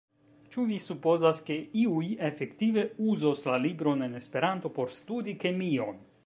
Ĉu vi supozas, ke iuj efektive uzos la libron en Esperanto por studi kemion?